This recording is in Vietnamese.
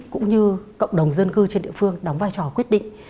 cũng như cộng đồng dân cư trên địa phương đóng vai trò quyết định